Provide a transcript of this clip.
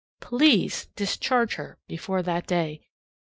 PLEASE discharge her before that day!